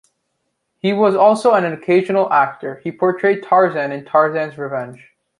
He was also an occasional actor, he portrayed Tarzan in "Tarzan's Revenge".